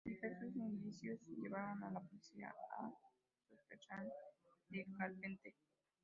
Diversos indicios llevaron a la policía a sospechar de Carpenter.